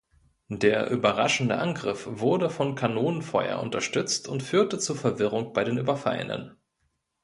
Der überraschende Angriff wurde von Kanonenfeuer unterstützt und führte zu Verwirrung bei den Überfallenen.